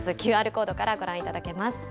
ＱＲコードからご覧いただけます。